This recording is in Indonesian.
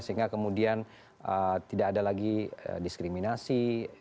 sehingga kemudian tidak ada lagi diskriminasi